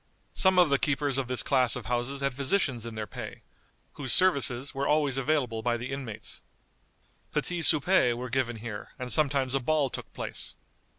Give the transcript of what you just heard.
Some of the keepers of this class of houses had physicians in their pay, whose services were always available by the inmates. Petits soupers were given here, and sometimes a ball took place.